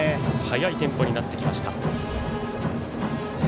速いテンポになってきました。